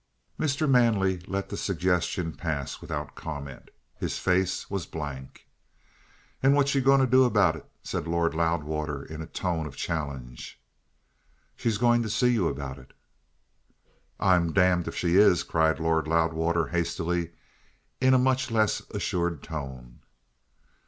Mr. Manley let the suggestion pass without comment. His face was blank. "And what's she going to do about it?" said Lord Loudwater in a tone of challenge. "She's going to see you about it." "I'm damned if she is!" cried Lord Loudwater hastily, in a much less assured tone.